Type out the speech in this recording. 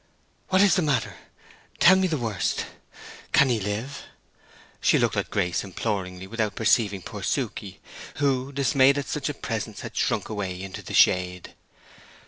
"What is—the matter—tell me the worst! Can he live?" She looked at Grace imploringly, without perceiving poor Suke, who, dismayed at such a presence, had shrunk away into the shade.